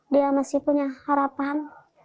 dia masih punya harapan